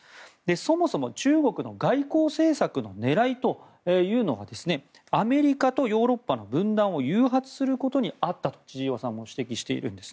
そもそも中国の外交政策の狙いというのがアメリカとヨーロッパの分断を誘発することにあったと千々岩さんも指摘しているんです。